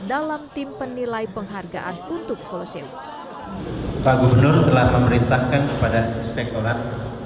dalam tim penilai penghargaan untuk kolosium pak gubernur telah memerintahkan kepada inspektorat